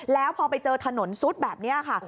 แล้วพอไปเจอถนนซุดแบบนี้ค่ะ